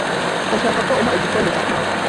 Ndashaka ko umpa igikombe cya kawa.